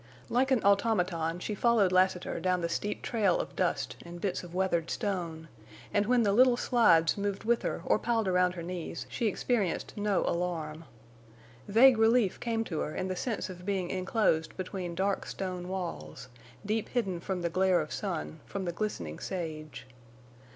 Like an automaton she followed Lassiter down the steep trail of dust and bits of weathered stone; and when the little slides moved with her or piled around her knees she experienced no alarm. Vague relief came to her in the sense of being enclosed between dark stone walls, deep hidden from the glare of sun, from the glistening sage.